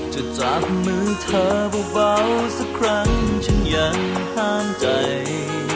จะจับมือเธอเบาสักครั้งฉันยังห้ามใจ